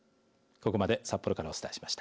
ここまで札幌からお伝えしました。